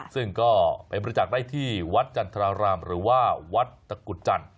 ซึ่งก็ไปบริจาคได้ที่วัดจันทรารามหรือว่าวัดตะกุดจันทร์